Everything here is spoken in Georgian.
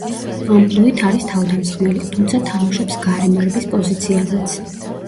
ამპლუით არის თავდამსხმელი, თუმცა თამაშობს გარემარბის პოზიციაზეც.